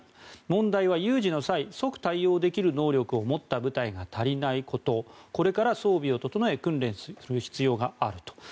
問題は有事の際即対応できる能力を持った部隊が足りないことこれから装備を整え訓練する必要があると。